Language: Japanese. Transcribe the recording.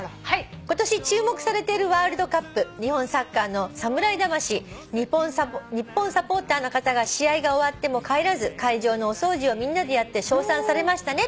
「今年注目されているワールドカップ日本サッカーのサムライ魂日本サポーターの方が試合が終わっても帰らず会場のお掃除をみんなでやって称賛されましたね」